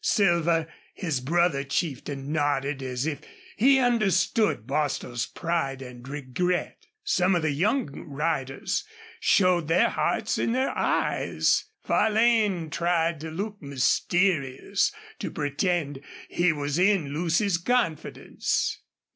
Silver, his brother chieftain, nodded as if he understood Bostil's pride and regret. Some of the young riders showed their hearts in their eyes. Farlane tried to look mysterious, to pretend he was in Lucy's confidence.